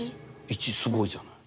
１すごいじゃない。